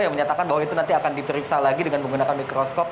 yang menyatakan bahwa itu nanti akan diperiksa lagi dengan menggunakan mikroskop